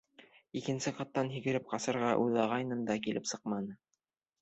— Икенсе ҡаттан һикереп ҡасырға уйлағайным да килеп сыҡманы.